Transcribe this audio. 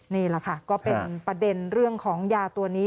นี่แหละค่ะก็เป็นประเด็นเรื่องของยาตัวนี้